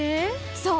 そう！